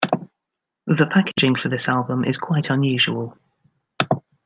The packaging for this album is quite unusual.